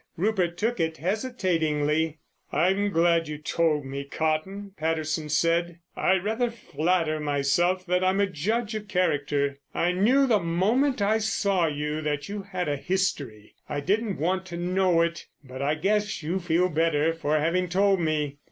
Rupert took it hesitatingly. "I'm glad you told me, Cotton," Patterson said. "I rather flatter myself that I'm a judge of character. I knew the moment I saw you that you had a 'history.' I didn't want to know it, but I guess you feel better for having told me.